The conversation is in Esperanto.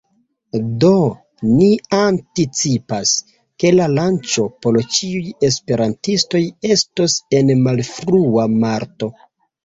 Do, ni anticipas, ke la lanĉo por ĉiuj esperantistoj estos en malfrua marto